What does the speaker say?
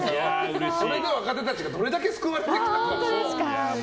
それで若手たちがどれだけ救われてきたか。